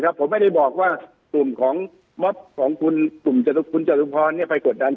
ผมไม่ได้บอกว่ากลุ่มของม็อบของคุณจตุภรณ์ไปกดดัน